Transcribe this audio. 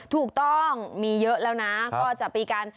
ถูกต้องมีเยอะแล้วนะก็จะมีการ